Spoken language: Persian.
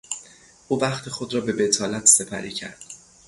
او وقت خود را به بطالت سپری کرد.